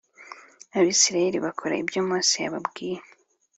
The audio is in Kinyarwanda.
Abisirayeli bakora ibyo Mose yababwiye